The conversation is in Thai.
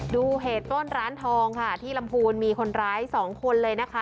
ดูเหตุปล้นร้านทองค่ะที่ลำพูนมีคนร้ายสองคนเลยนะคะ